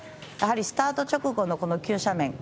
やはりスタート直後の急斜面。